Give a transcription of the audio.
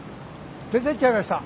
出ていっちゃいました。